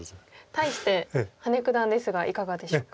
対して羽根九段ですがいかがでしょうか？